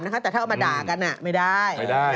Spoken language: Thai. แต่ถ้าเอามาด่ากันไม่ได้